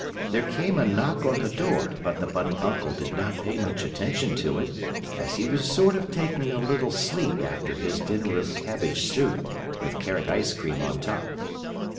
There came a knock on the door, but the bunny uncle did not pay much attention to it, as he was sort of taking a little sleep after his dinner of cabbage soup with carrot ice cream on top.